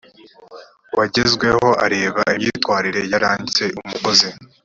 wagezweho areba imyitwarire yaranze umukozi